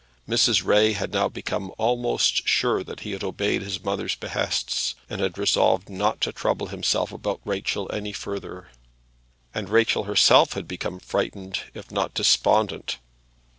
Mrs. Ray had now become almost sure that he had obeyed his mother's behests, and had resolved not to trouble himself about Rachel any further; and Rachel herself had become frightened if not despondent.